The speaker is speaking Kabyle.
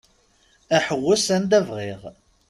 Aḥewwes anda bɣiɣ.